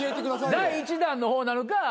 第１弾の方なのか。